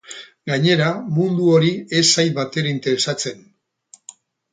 Gainera, mundu hori ez zait batere interesatzen.